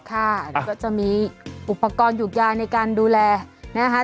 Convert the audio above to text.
แล้วก็จะมีอุปกรณ์หยุกยาในการดูแลนะคะ